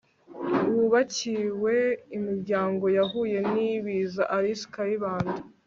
wubakiwe imiryango yahuye in ibiza alice kayibanda